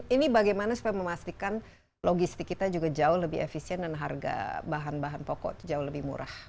ini bagaimana supaya memastikan logistik kita juga jauh lebih efisien dan harga bahan bahan pokok itu jauh lebih murah